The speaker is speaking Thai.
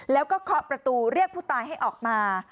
แล้วก็เคาะประตูเรียกผู้ตายให้ออกมา